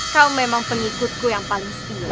kau memang pengikutku yang paling setia